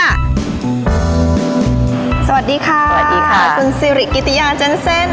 สวัสดีค่ะคุณซิริกิติยาเจนเซ่น